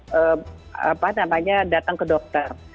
sebaiknya datang ke dokter